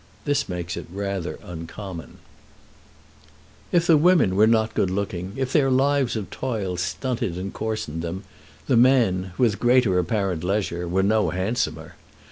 This makes it rather uncommon. [Illustration: Cattle at the Fountains] If the women were not good looking, if their lives of toil stunted and coarsened them, the men, with greater apparent leisure, were no handsomer.